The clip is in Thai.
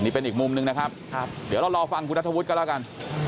นี่เป็นอีกมุมหนึ่งนะครับเดี๋ยวเรารอฟังคุณนัทธวุฒิก็แล้วกัน